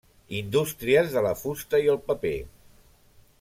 Indústries de la fusta i el paper.